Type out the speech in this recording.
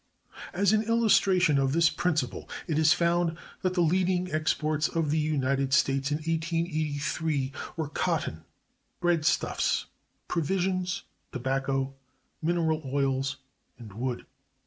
As an illustration of this principle, it is found that the leading exports of the United States, in 1883, were cotton, breadstuffs, provisions, tobacco, mineral oils, and wood.